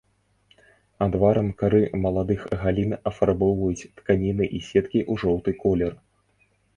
Адварам кары маладых галін афарбоўваюць тканіны і сеткі ў жоўты колер.